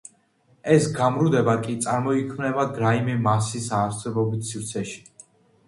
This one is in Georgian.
ეს გამრუდება კი წარმოიქმნება რაიმე მასის არსებობით სივრცეში.